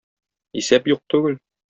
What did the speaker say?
Исәп юк түгел.